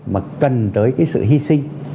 mà cần tới cái sự hy sinh